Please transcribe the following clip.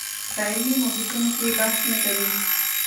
په علمي محیطونو کې بحث نه کوي